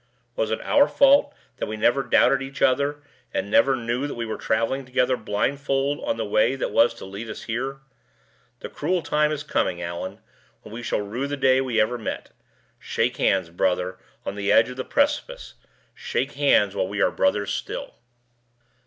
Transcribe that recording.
Was it our fault that we never doubted each other, and never knew that we were traveling together blindfold on the way that was to lead us here? The cruel time is coming, Allan, when we shall rue the day we ever met. Shake hands, brother, on the edge of the precipice shake hands while we are brothers still!"